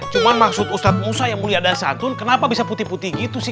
cuma maksud ustadz musa yang mulia dari santun kenapa bisa putih putih gitu sih